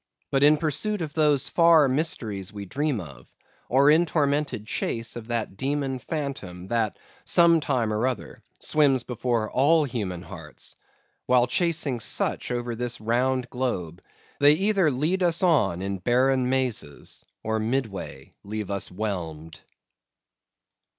But in pursuit of those far mysteries we dream of, or in tormented chase of that demon phantom that, some time or other, swims before all human hearts; while chasing such over this round globe, they either lead us on in barren mazes or midway leave us whelmed.